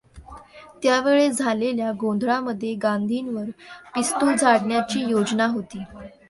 त्या वेळेस झालेल्या गोंधळामध्ये गांधींवर पिस्तूल झाडण्याची योजना होती.